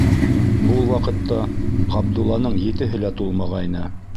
Ул ваҡытта Ғабдулланың етеһе лә тулмағайны.